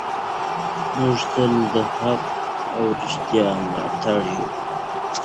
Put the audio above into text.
موږ تل د حق او رښتیا ملاتړ کوو.